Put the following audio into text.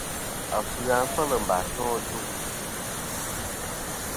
Afɨ-a fel mbas nô ajuŋ.